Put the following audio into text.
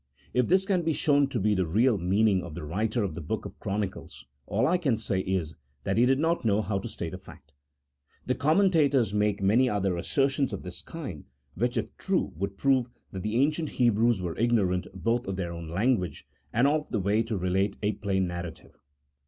If this can be shown to be the real mean ing of the writer of the book of Chronicles, all I can say is, that he did not know how to state a fact. The commen tators make many other assertions of this kind, which if true, would prove that the ancient Hebrews were ignorant both of their own language, and of the way to relate a plain narrative.